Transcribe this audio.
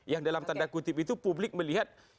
yang dalam tanda kutip itu publik melihat